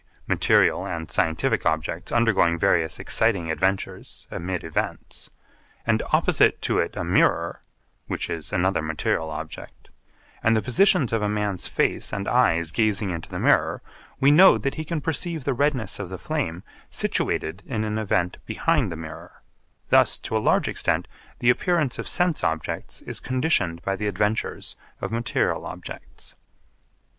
_ material and scientific objects undergoing various exciting adventures amid events) and opposite to it a mirror (which is another material object) and the positions of a man's face and eyes gazing into the mirror, we know that he can perceive the redness of the flame situated in an event behind the mirror thus, to a large extent, the appearance of sense objects is conditioned by the adventures of material objects.